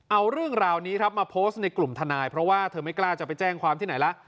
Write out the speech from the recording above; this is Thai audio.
เอาเรื่องราวนี้ครับมาโพสต์ในกลุ่มทนายเพราะว่าเธอไม่กล้าจะไปแจ้งความที่ไหนละ